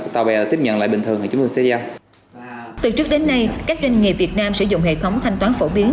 từ trước đến nay các doanh nghiệp việt nam sử dụng hệ thống thanh toán phổ biến